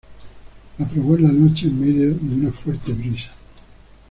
La probó en la noche en medio de una fuerte brisa.